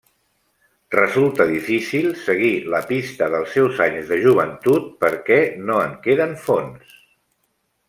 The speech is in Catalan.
Resulta difícil seguir la pista dels seus anys de joventut perquè no en queden fonts.